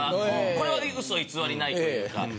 これは嘘偽りないというか。